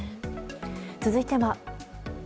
続いては。